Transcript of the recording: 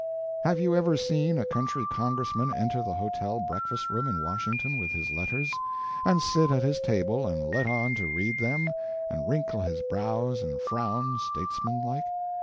Have you ever seen a country Congressman enter the hotel breakfast room in Washington with his letters? and sit at his table and let on to read them? and wrinkle his brows and frown statesman like?